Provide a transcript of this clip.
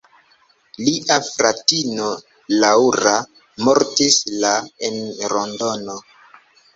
Lia fratino, Laura, mortis la en Londono.